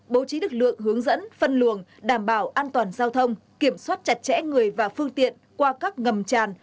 bố trí lực lượng hướng dẫn phân luồng đảm bảo an toàn giao thông kiểm soát chặt chẽ người và phương tiện qua các ngầm tràn